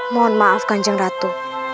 mohon maaf kanjeng ratu